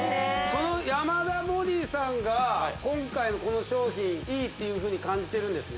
その山田ＢＯＤＹさんが今回のこの商品いいっていうふうに感じてるんですね